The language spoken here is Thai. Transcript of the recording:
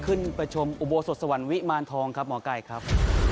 ขึ้นไปชมอุโบสถสวรรค์วิมารทองครับหมอไก่ครับ